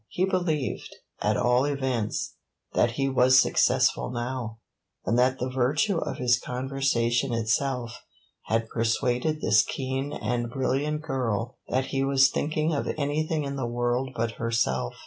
He believed, at all events, that he was successful now, and that the virtue of his conversation itself had persuaded this keen and brilliant girl that he was thinking of anything in the world but herself.